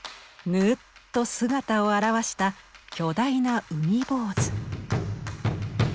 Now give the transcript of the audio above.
ぬうっと姿を現した巨大な海坊主。